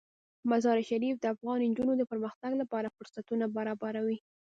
مزارشریف د افغان نجونو د پرمختګ لپاره فرصتونه برابروي.